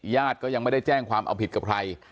ญาติก็ยังไม่ได้แจ้งความเอาผิดกับใคร